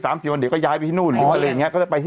มันไม่เหมือนการผมเล่นสล็อต